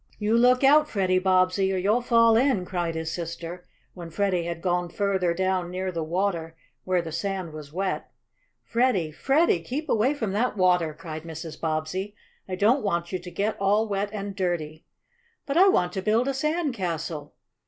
"You look out, Freddie Bobbsey, or you'll fall in!" cried his sister, when Freddie had gone further down near the water where the sand was wet. "Freddie! Freddie! keep away from that water!" cried Mrs. Bobbsey. "I don't want you to get all wet and dirty." "But I want to build a sand castle."